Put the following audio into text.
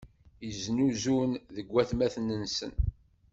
Yeznuzun deg watmaten-nsen.